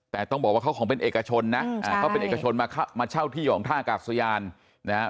แต่ต้องบอกว่าเขาคงเป็นเอกชนนะเขาเป็นเอกชนมาเช่าที่ของท่ากาศยานนะครับ